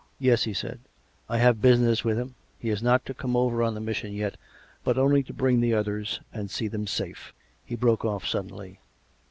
" Yes," he said, " I have business with him. He is not to come over on the mission yet, but only to bring the others and see them safe " He broke off suddenly.